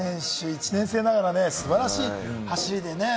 １年生ながら素晴らしい走りでね。